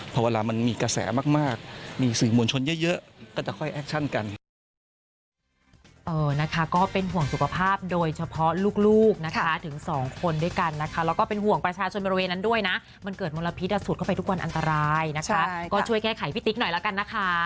พอเวลามันมีกระแสมากมีสื่อมวลชนเยอะก็จะค่อยแอคชั่นกัน